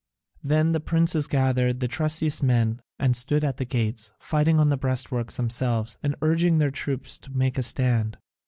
Then the princes gathered the trustiest men and stood at the gates, fighting on the breastworks themselves, and urging their troops to make a stand.